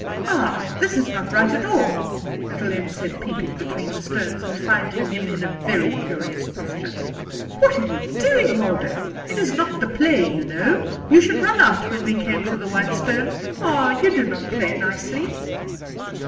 "Ah! this is not right at all," little Em said, peeping between the stones, and finding him in a very curious posture. "What are you doing Waldo? It is not the play, you know. You should run out when we come to the white stone. Ah, you do not play nicely."